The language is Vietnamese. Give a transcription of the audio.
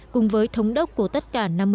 cùng với thống đốc của tất cả năm mươi